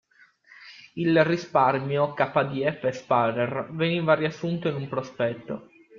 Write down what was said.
Il risparmio "KdF-Sparer" veniva riassunto in un prospetto.